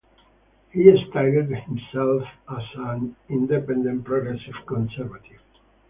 He styled himself as an Independent Progressive Conservative.